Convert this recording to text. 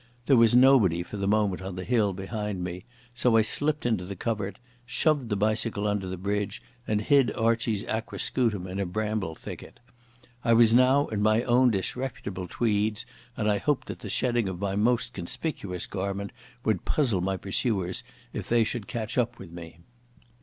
There was nobody for the moment on the hill behind me, so I slipped into the covert, shoved the bicycle under the bridge, and hid Archie's aquascutum in a bramble thicket. I was now in my own disreputable tweeds and I hoped that the shedding of my most conspicuous garment would puzzle my pursuers if they should catch up with me.